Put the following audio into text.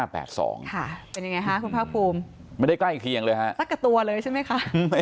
เป็นยังไงคะคุณภาคภูมิไม่ได้ใกล้เคียงเลยฮะสักกับตัวเลยใช่ไหมคะ